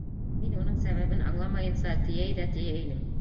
Мин уның сәбәбен аңламайынса тейәй ҙә тейәй инем.